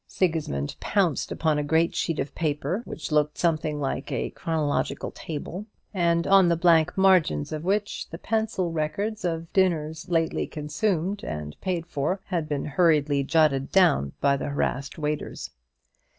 Sigismund pounced upon a great sheet of paper, which looked something like a chronological table, and on the blank margins of which the pencil records of dinners lately consumed and paid for had been hurriedly jotted down by the harassed waiters.